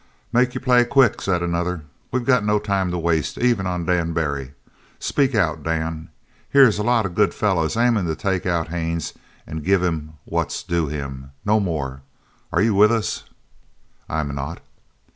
"Make your play quick," said another. "We got no time to waste even on Dan Barry. Speak out, Dan. Here's a lot of good fellers aimin' to take out Haines an' give him what's due him no more. Are you with us?" "I'm not."